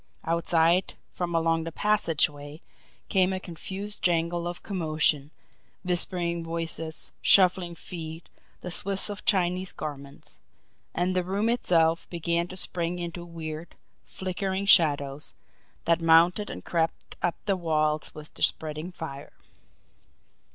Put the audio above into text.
Outside, from along the passageway, came a confused jangle of commotion whispering voices, shuffling feet, the swish of Chinese garments. And the room itself began to spring into weird, flickering shadows, that mounted and crept up the walls with the spreading fire.